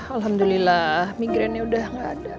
alhamdulillah migrennya udah ga ada